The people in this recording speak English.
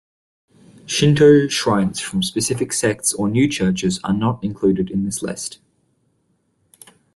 Shinto shrines from specific sects or new churches are not included in this list.